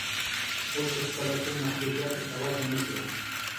موږ چې خپله کوم محدودیت ورته وضع نه کړو